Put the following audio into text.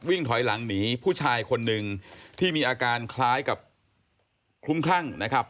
ถอยหลังหนีผู้ชายคนหนึ่งที่มีอาการคล้ายกับคลุมคลั่งนะครับ